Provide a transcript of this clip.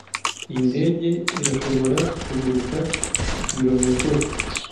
Iyi ndege irashobora kuguruka ibirometero